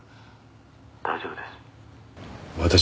大丈夫です